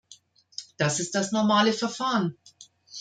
Das ist das normale Verfahren.